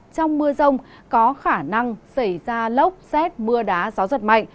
trong mưa rông có khả năng xảy ra lốc xét mưa đá gió giật mạnh